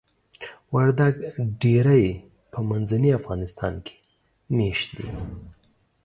وردګ ډیری په منځني افغانستان کې میشت دي.